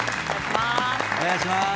お願いしまーす。